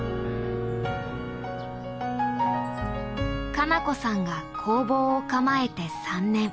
花菜子さんが工房を構えて３年。